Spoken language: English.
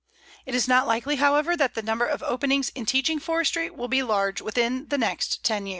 It is not likely, however, that the number of openings in teaching forestry will be large within the next ten years.